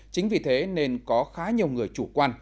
chính vì thế nên có khá nhiều người chủ quan